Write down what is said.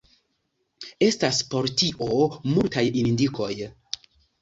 Estas por tio multaj indikoj.